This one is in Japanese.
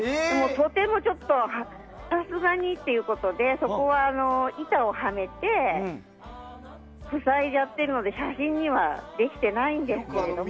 とてもさすがにということでそこは板をはめて塞いじゃってるので写真にはできてないんですけれども。